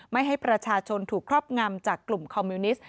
ไม่ให้ประชาชนถูกครอบงำจากกลุ่มคอมมิวนิสต